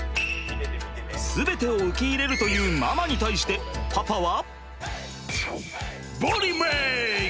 全てを受け入れるというママに対してパパは？